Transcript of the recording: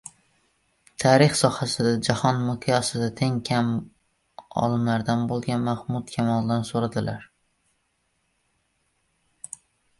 Tarix sohasida jahon miqyosida tengi kam olimlardan bo‘lgan Mahmud Kamoldan so‘radilar: